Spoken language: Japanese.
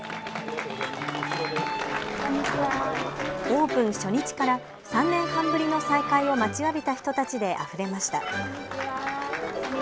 オープン初日から３年半ぶりの再開を待ちわびた人たちであふれました。